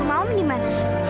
om mau menyimpan